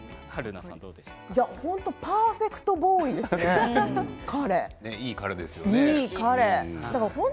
本当パーフェクトボーイですね、彼。